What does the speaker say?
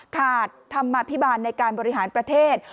ธรรมาภิบาลในการบริหารประเทศ